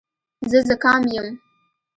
زه زکام یم.